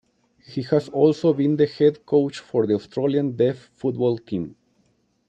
He has also been the Head Coach for the Australian Deaf Football team.